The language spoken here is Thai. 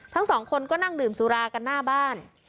ทั้งสองคนก็นั่งดื่มสุรากันหน้าบ้าน